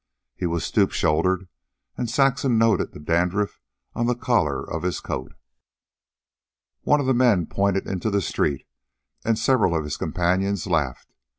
He was stoop shouldered, and Saxon noted the dandruff on the collar of his coat. One of the men pointed into the street, and several of his companions laughed.